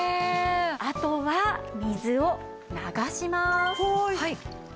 あとは水を流します。